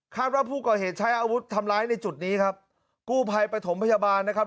ว่าผู้ก่อเหตุใช้อาวุธทำร้ายในจุดนี้ครับกู้ภัยปฐมพยาบาลนะครับ